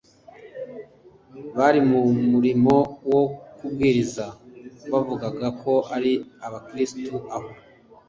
bari mu murimo wo kubwiriza bavugaga ko ari Abakristo aho